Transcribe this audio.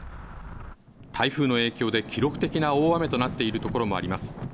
台風の影響で記録的な大雨となっているところもあります。